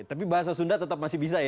kalau sunda tetap masih bisa ya